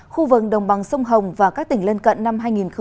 khu vực đồng bằng sông hồng và các tỉnh lên cận năm hai nghìn hai mươi